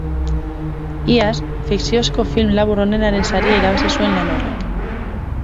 Iaz, fikziozko film labur onenaren saria irabazi zuen lan horrek.